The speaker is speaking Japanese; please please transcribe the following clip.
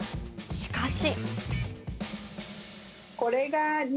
しかし。